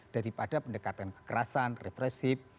daripada pendekatan kekerasan represif